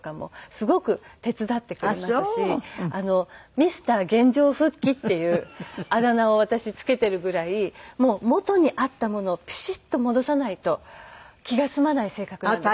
ミスター原状復帰っていうあだ名を私つけているぐらいもう元にあったものをピシッと戻さないと気が済まない性格なんですね。